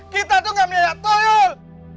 kita tuh gak punya tuyul